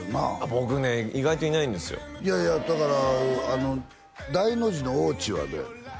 僕ね意外といないんですよいやいやだからあのダイノジの大地はどうやねん？